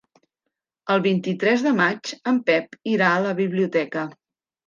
El vint-i-tres de maig en Pep irà a la biblioteca.